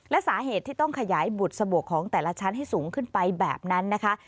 และสาเหตุที่ต้องขยายบุตรสะบวกของแต่ละชั้นให้สูงขึ้นไปแบบนั้นนะคะ